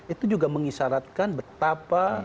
itu juga mengisyaratkan betapa